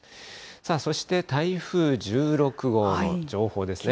そして台風１６号の情報ですね。